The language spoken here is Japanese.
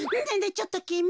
ちょっときみ。